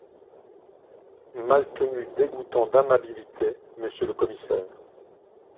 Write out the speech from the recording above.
Maltenu Dégoûtant d’amabilité, Monsieur le commissaire…